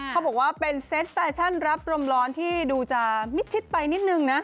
เขาบอกว่าเป็นเซตแฟชั่นรับรมร้อนที่ดูจะมิดชิดไปนิดนึงนะ